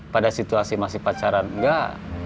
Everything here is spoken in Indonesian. pada situasi masih pacaran enggak